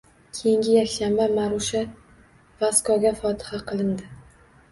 Keyingi yakshanba Marusha Vaskoga fotiha qilindi.